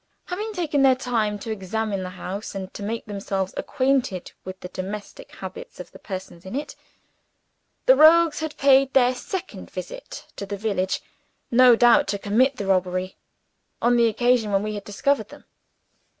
Having taken their time to examine the house, and to make themselves acquainted with the domestic habits of the persons in it, the rogues had paid their second visit to the village no doubt to commit the robbery on the occasion when we had discovered them.